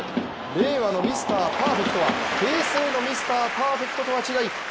令和のミスターパーフェクトは平成のミスターパーフェクトとは違い